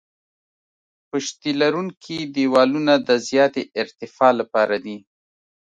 پشتي لرونکي دیوالونه د زیاتې ارتفاع لپاره دي